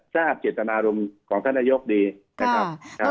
ทราบเจตนารมณ์ของท่านนายกดีนะครับ